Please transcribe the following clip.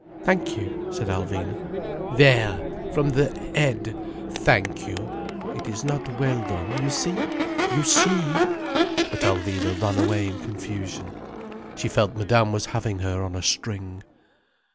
"Thank you," said Alvina. "There! From the head Thank you. It is not well done, you see. You see!" But Alvina ran away in confusion. She felt Madame was having her on a string.